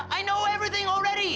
saya sudah tahu semuanya